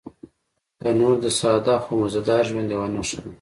تنور د ساده خو مزيدار ژوند یوه نښه ده